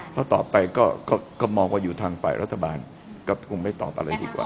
เพราะต่อไปก็มองว่าอยู่ทางฝ่ายรัฐบาลก็คงไม่ตอบอะไรดีกว่า